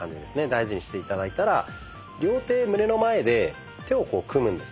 大事にして頂いたら両手胸の前で手をこう組むんですね。